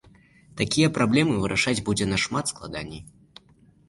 Такія праблемы вырашыць будзе нашмат складаней.